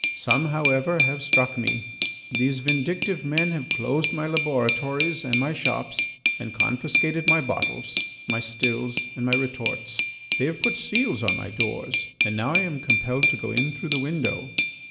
Some, however, have struck me. These vindictive men have closed my laboratories and my shops, and confiscated my bottles, my stills, and my retorts. They have put seals on my doors and now I am compelled to go in through the window.